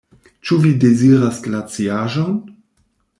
Ĉu vi deziras glaciaĵon?